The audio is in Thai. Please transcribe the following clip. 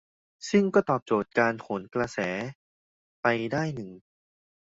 ซึ่งก็ตอบโจทย์การโหนกระแสไปได้หนึ่ง